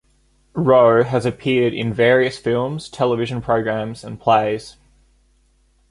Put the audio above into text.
Rowe has appeared in various films, television programmes and plays.